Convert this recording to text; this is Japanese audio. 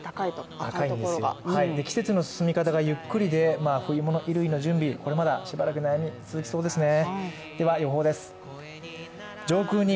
季節の進み方がゆっくりで冬物、衣服の準備はこれはまだしばらく悩みが続きそうですね。